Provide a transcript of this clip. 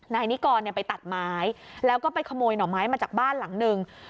นายนิกรไปตัดไม้แล้วก็ไปขโมยหน่อไม้มาจากบ้านหลังหนึ่ง